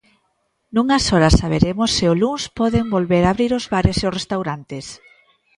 Nunhas horas saberemos se o luns poden volver abrir os bares e os restaurantes.